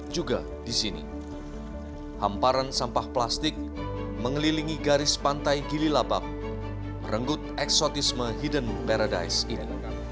juga di sini hamparan sampah plastik mengelilingi garis pantai gililabak merenggut eksotisme hidden paradise ini